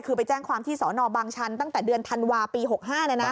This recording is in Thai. คือไปแจ้งความที่สอนอบางชันตั้งแต่เดือนธันวาปี๖๕เลยนะ